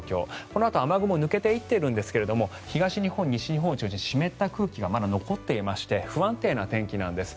このあと雨雲抜けていっているんですが東日本、西日本を中心に湿った空気がまだ残っていまして不安定な天気なんです。